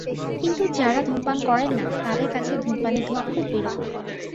কিন্তু যঁারা ধূমপান করেন না, তাঁদের কাছে ধূমপানের ধোঁয়া খুব বিরক্তিকর।